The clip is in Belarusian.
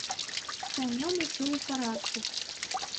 З канём усё ў парадку.